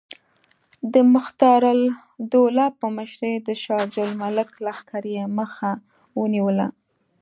د مختارالدوله په مشرۍ د شجاع الملک لښکر یې مخه ونیوله.